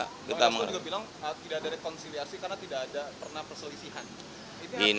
bang esko juga bilang tidak ada rekonsiliasi karena tidak ada pernah perselisihan